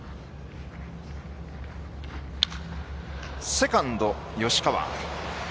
セカンドの吉川。